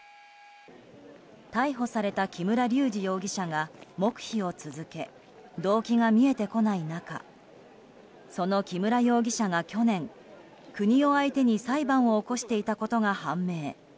逮捕された木村隆二容疑者が黙秘を続け動機が見えてこない中その木村容疑者が去年国を相手に裁判を起こしていたことが判明。